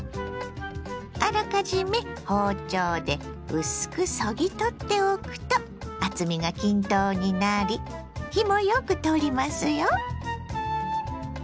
あらかじめ包丁で薄くそぎ取っておくと厚みが均等になり火もよく通りますよ。